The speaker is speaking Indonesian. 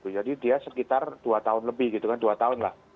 jadi dia sekitar dua tahun lebih gitu kan dua tahun lah